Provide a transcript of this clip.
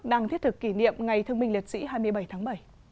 đang thiết thực kỷ niệm ngày thương binh liệt sĩ hai mươi bảy tháng bảy